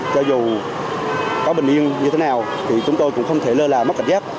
cho dù có bình yên như thế nào thì chúng tôi cũng không thể lơ là mất cảnh giác